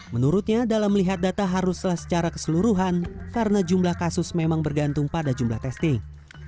menurutnya dalam melihat data haruslah secara keseluruhan karena jumlah kasus memang bergantung pada jumlah testing